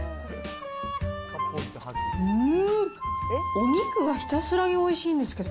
お肉がひたすらにおいしいんですけど。